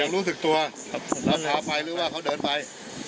รู้สึกตัวแล้วพาไปหรือว่าเขาเดินไป